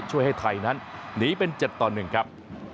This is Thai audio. ช่วยให้ไทยนั้นหนีเป็น๗ต่อ๑ครับ